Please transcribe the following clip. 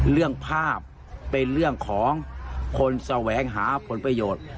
เรื่องภาพเป็นเรื่องของคนแสวงหาผลประโยชน์